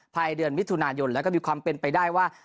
เดือนมิถุนายนแล้วก็มีความเป็นไปได้ว่า